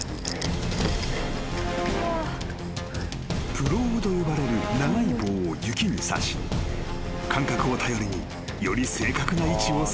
［プローブと呼ばれる長い棒を雪にさし感覚を頼りにより正確な位置を探る］